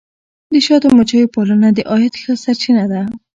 د شاتو مچیو پالنه د عاید ښه سرچینه ده.